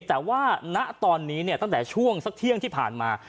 แต่ว่าณตอนนี้เนี่ยตั้งแต่ช่วงสักเที่ยงที่ผ่านมา